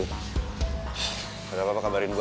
gak ada apa apa kabarin gua